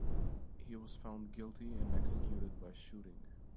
He was found guilty and executed by shooting.